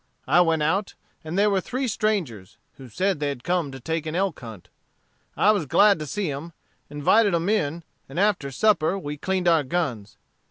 I went out, and there were three strangers, who said they come to take an elk hunt. I was glad to see 'em, invited 'em in, and after supper we cleaned our guns.